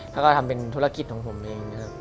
แล้วก็ทำเป็นธุรกิจของผมเองนะครับ